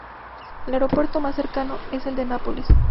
El aeropuerto más cercanos es el de Nápoles.